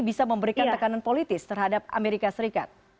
bisa memberikan tekanan politis terhadap amerika serikat